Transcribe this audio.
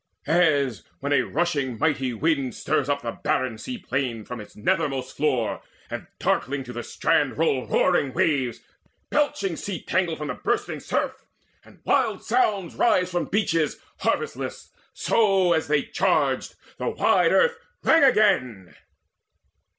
As when a rushing mighty wind stirs up The barren sea plain from its nethermost floor, And darkling to the strand roll roaring waves Belching sea tangle from the bursting surf, And wild sounds rise from beaches harvestless; So, as they charged, the wide earth rang again.